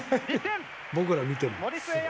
僕ら、見ても。